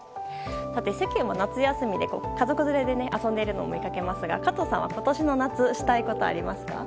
さて、世間は夏休みで家族連れで遊んでいるのも見かけますが加藤さんは、今年の夏したいことはありますか？